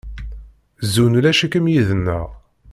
Zun ulac-ikem yid-neɣ.